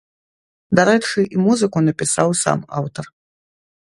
Дарэчы, і музыку напісаў сам аўтар.